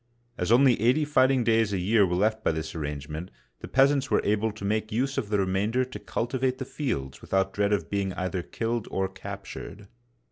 As only eighty fighting days a year were left by this arrangement, the peas ants were able to make use of the remainder to cultivate the fields without dread of being either killed or captured.